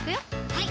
はい